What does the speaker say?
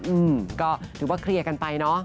อืมก็ถือว่าเคลียร์กันไปเนอะ